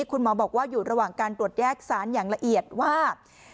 คุณหมอบอกว่าอยู่ระหว่างการตรวจแยกสารอย่างละเอียดว่า